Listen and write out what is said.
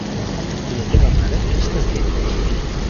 I la teva mare, està bé?